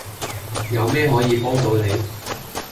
有咩可以幫到你?